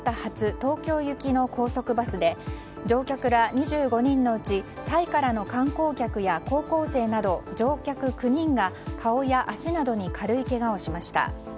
東京行きの高速バスで乗客ら２５人のうちタイからの観光客や高校生など乗客９人が顔や足などに軽いけがをしました。